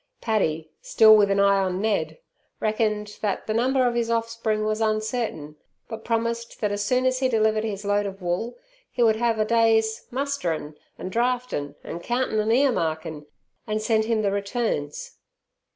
Paddy, still with an eye on Ned, reckoned that the number of his offspring was uncertain, but promised that as soon as he delivered his load of wool he would have a day's "musterin' an' draftin' an' countin' an' ear markin'" and send him the returns.